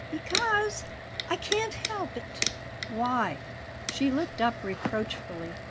"Because I can't help it." "Why?" She looked up reproachfully.